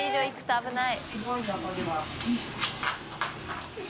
危ない。